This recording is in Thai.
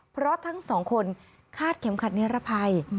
เพราะทั้ง๒คนฆาตเข็มขัดเนื้อระภัย